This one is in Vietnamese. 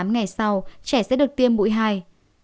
hai mươi tám ngày sau trẻ sẽ được tiêm mũi hai